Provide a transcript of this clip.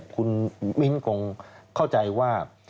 คุณมิ้นคงเข้าใจว่า